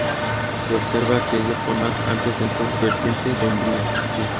Se observa que ellos son más amplios en su vertiente de umbría.